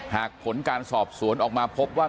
หากผลการสอบสวนออกมาพบว่า